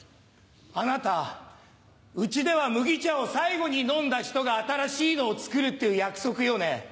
あなたうちでは麦茶を最後に飲んだ人が新しいのを作るっていう約束よね？